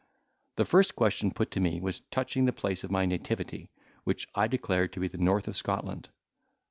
The first question put to me was touching the place of my nativity, which I declared to be the north of Scotland.